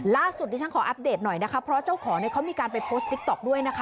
ล่าสุดนี้ฉันขออัพเดทหน่อยนะคะเพราะเจ้าขอเขามีการไปโพสติ๊กต๊อกด้วยนะคะ